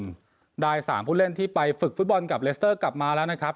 ได้สามผู้เล่นที่ไปฝึกฟุตบอลกับเลสเตอร์กลับมาแล้วนะครับ